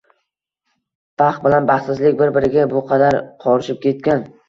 Baxt bilan baxtsizlik bir-biriga bu qadar qorishib ketgan?